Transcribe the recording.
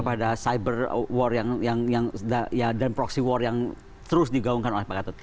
pada cyber war dan proxy war yang terus digaungkan oleh pakat